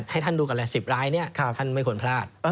ให้ท่านดูกันเลย๑๐รายนี้ท่านไม่ควรพลาด